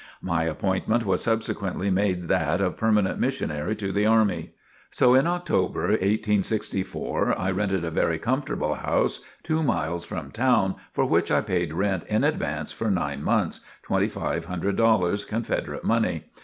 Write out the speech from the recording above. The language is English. My appointment was subsequently made that of Permanent Missionary to the Army. So in October, 1864, I rented a very comfortable house two miles from town, for which I paid rent in advance for nine months twenty five hundred dollars, Confederate money.